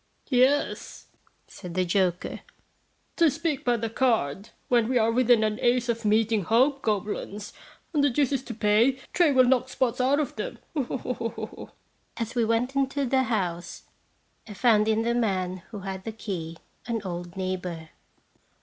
"Yes," said the joker, "to * speak by the card,' when we are within an ace of meeting hobgoblins, and the deuce is to pay, Tray will knock spots out of them." As we went into the house, I found in the man who had the key an old neighbor.